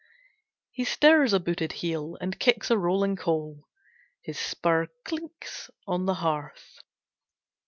He stirs a booted heel and kicks a rolling coal. His spur clinks on the hearth.